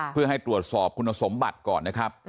เพื่อให้ตรวจสอบคุณสมบัติก่อนนะครับ